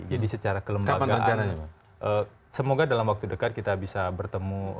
secara kelembagaan semoga dalam waktu dekat kita bisa bertemu